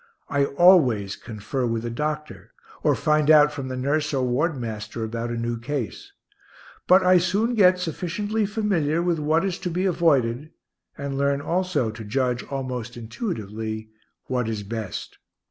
I always confer with the doctor, or find out from the nurse or ward master about a new case. But I soon get sufficiently familiar with what is to be avoided, and learn also to judge almost intuitively what is best.